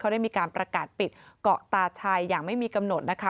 ได้มีการประกาศปิดเกาะตาชัยอย่างไม่มีกำหนดนะคะ